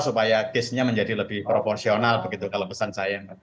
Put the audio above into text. supaya case nya menjadi lebih proporsional begitu kalau pesan saya